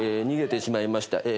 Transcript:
逃げてしまいました。